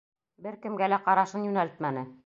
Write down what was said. Бер кемгә лә ҡарашын йүнәлтмәне.